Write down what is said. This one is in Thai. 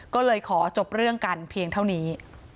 ก็เลยขอจบเรื่องกันเพียงเท่านี้